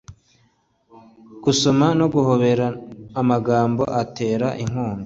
gusomana no guhobera, amagambo atera inkunga-